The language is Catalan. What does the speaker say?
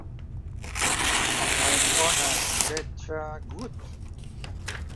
"I'm Gonna Getcha Good!"